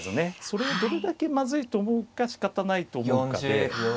それをどれだけまずいと思うかしかたないと思うかで。